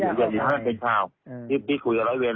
เพราะว่าตอนแรกมีการพูดถึงนิติกรคือฝ่ายกฎหมาย